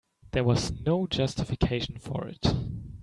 There was no justification for it.